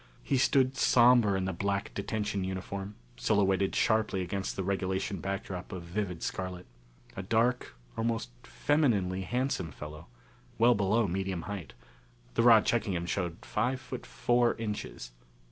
He stood somber in the black detention uniform, silhouetted sharply against the regulation backdrop of vivid scarlet. A dark, almost femininely handsome fellow, well below medium height the rod checking him showed five foot four inches.